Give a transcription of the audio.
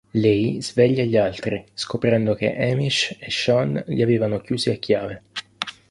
Lei sveglia gli altri, scoprendo che Hamish e Sean li avevano chiusi a chiave.